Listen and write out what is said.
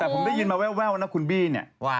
แต่ผมได้ยินมาแววนะคุณบี้เนี่ย